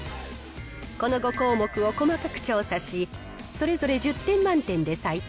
この５項目を細かく調査し、それぞれ１０点満点で採点。